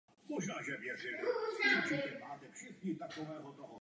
Vystudoval režii na divadelní fakultě Akademie múzických umění v Praze.